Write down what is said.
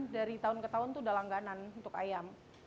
dari tahun ke tahun itu udah langganan untuk ayam